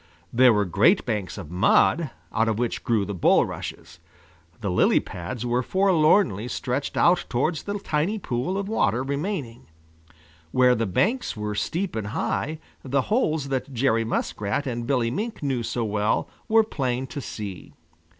There were great banks of mud, out of which grew the bulrushes. The lily pads were forlornly stretched out towards the tiny pool of water remaining. Where the banks were steep and high, the holes that Jerry Muskrat and Billy Mink knew so well were plain to see.